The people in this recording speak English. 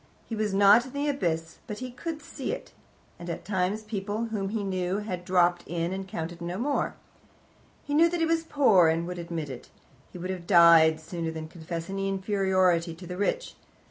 He was not in the abyss, but he could see it, and at times people whom he knew had dropped in, and counted no more. He knew that he was poor, and would admit it: he would have died sooner than confess any inferiority to the rich.